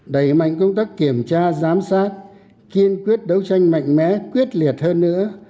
đẩy mạnh công tác kiểm tra giám sát kiên quyết đấu tranh mạnh mẽ quyết liệt hơn nữa